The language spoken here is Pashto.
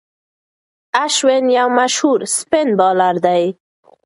اشوين یو مشهور اسپن بالر دئ.